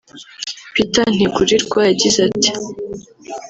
Peter Ntigurirwa yagize ati